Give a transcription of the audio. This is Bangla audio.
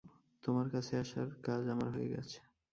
তোমার কাছে আসার কাজ আমার হয়ে গেছে।